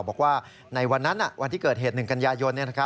บอกว่าในวันนั้นวันที่เกิดเหตุ๑กันยายน